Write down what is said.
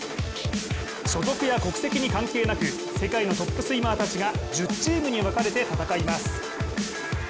所属や国籍に関係なく、世界のトップスイマーたちが１０チームに分かれて戦います。